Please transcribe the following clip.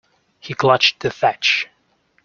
He clutched the thatch.